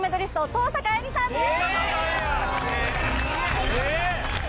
登坂絵莉さんです